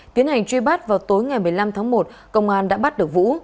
tiến hành truy bắt vào tối ngày một mươi năm tháng một công an đã bắt được vũ